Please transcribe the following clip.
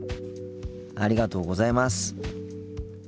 ありがとうございます。